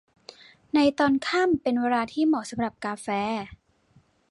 ในตอนค่ำเป็นเวลาที่เหมาะสำหรับกาแฟ